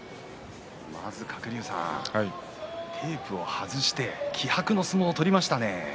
まず、鶴竜さん、テープを外して気迫の相撲を取りましたね。